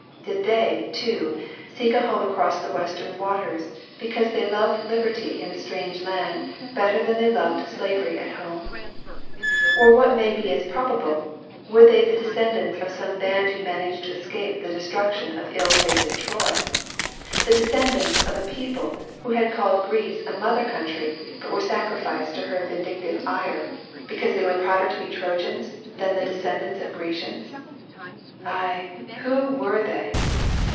Did they, too, seek a home across the western waters, because they loved liberty in a strange land better than they loved slavery at home? Or what may be as probable, were they the descendants of some band who managed to escape the destruction of ill fated Troy? the descendants of a people who had called Greece a mother country, but were sacrificed to her vindictive ire, because they were prouder to be Trojans than the descendants of Grecians? Ay, who were they?